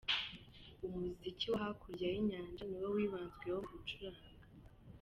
Umuziki wo hakurya y'inyanja niwo wibanzweho mu gucuranga.